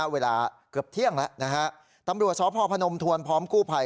เวลาเกือบเที่ยงแล้วนะฮะตำรวจสพพนมทวนพร้อมกู้ภัย